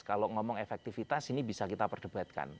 kalau ngomong efektivitas ini bisa kita perdebatkan